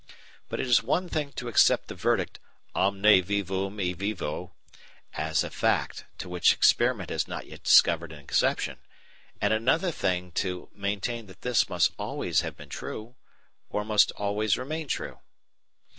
But it is one thing to accept the verdict "omne vivum e vivo" as a fact to which experiment has not yet discovered an exception and another thing to maintain that this must always have been true or must always remain true.